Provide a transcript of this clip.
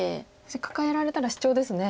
カカえられたらシチョウですね。